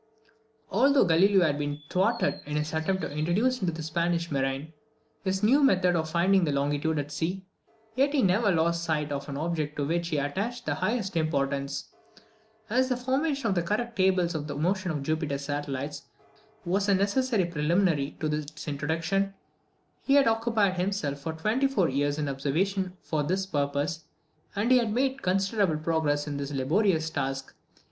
Although Galileo had been thwarted in his attempt to introduce into the Spanish marine his new method of finding the longitude at sea, yet he never lost sight of an object to which he attached the highest importance. As the formation of correct tables of the motion of Jupiter's satellites was a necessary preliminary to its introduction, he had occupied himself for twenty four years in observations for this purpose, and he had made considerable progress in this laborious task.